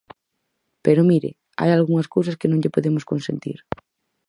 Pero mire, hai algunhas cousas que non lle podemos consentir.